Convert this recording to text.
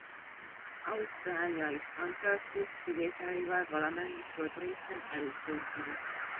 Ausztrália és az Antarktisz kivételével valamennyi földrészen előfordul.